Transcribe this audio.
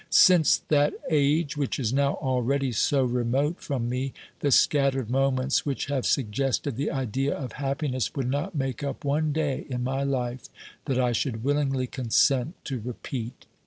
Since that age which is now already so remote from me, the scattered moments which have suggested the idea of happiness would not make up one day in my life that I should willingly consent to repeat.